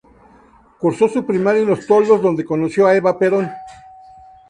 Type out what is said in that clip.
Cursó su primaria en Los Toldos, donde conoció a Eva Perón.